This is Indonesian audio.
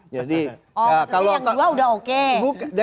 jadi yang kedua sudah oke